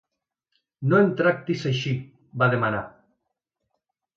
"No em tractis així", va demanar.